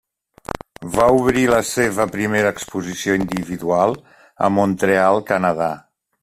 Va obrir la seva primera exposició individual a Mont-real, Canadà.